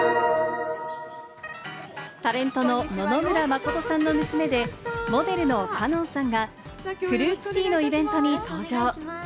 タレントの野々村真さんの娘でモデルの香音さんがフルーツティーのイベントに登場。